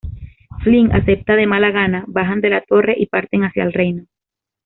Flynn acepta de mala gana, bajan de la torre y parten hacia el reino.